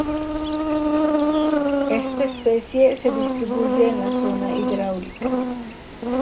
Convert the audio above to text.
Esta especie se distribuye en la zona Holártica.